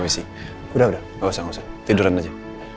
emisi udah udah gak usah gakusah tiduran aja